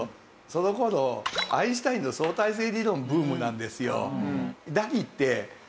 その頃アインシュタインの相対性理論ブームなんですよ。